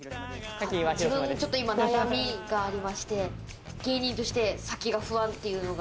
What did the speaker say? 自分ちょっと、今悩みがありまして芸人として先が不安っていうのが。